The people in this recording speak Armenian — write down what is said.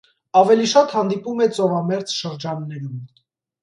Ավելի շատ հանդիպում է ծովամերձ շրջաններում։